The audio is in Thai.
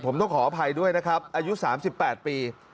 ผมต้องขออภัยด้วยนะครับอายุ๓๘ปี